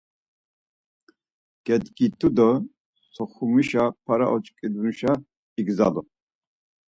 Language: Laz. Gedgitu do Soxumişa para oç̌ǩinduşa igzalu.